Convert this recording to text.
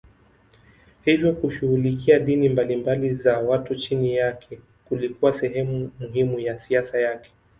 Hivyo kushughulikia dini mbalimbali za watu chini yake kulikuwa sehemu muhimu ya siasa yake.